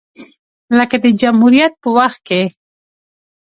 لکه د جمهوریت په وخت کې